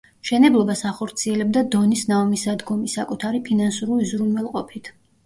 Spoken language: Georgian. მშენებლობას ახორციელებდა „დონის ნავმისადგომი“ საკუთარი ფინანსური უზრუნველყოფით.